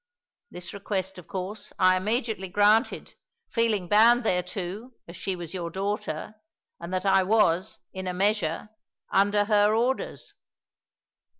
This request, of course, I immediately granted, feeling bound thereto, as she was your daughter, and that I was, in a measure, under her orders."